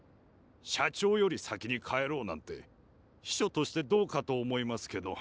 社長より先に帰ろうなんて秘書としてどうかと思いますけど。